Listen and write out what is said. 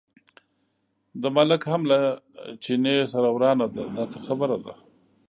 د ملک هم له چیني سره ورانه ده، دا څه خبره ده.